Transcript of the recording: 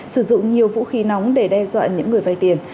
sử dụng nhiều vũ khí nóng để đe dọa những người vay tiền